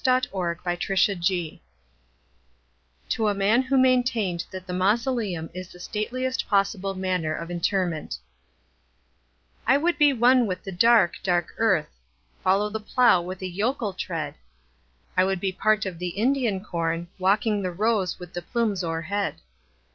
The Traveller heart (To a Man who maintained that the Mausoleum is the Stateliest Possible Manner of Interment) I would be one with the dark, dark earth:— Follow the plough with a yokel tread. I would be part of the Indian corn, Walking the rows with the plumes o'erhead.